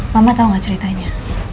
mama tau gak ceritanya